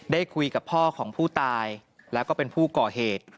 ได้คุยกับพ่อของผู้ตายแล้วก็เป็นผู้ก่อเหตุ